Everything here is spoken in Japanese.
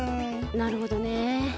なるほどね。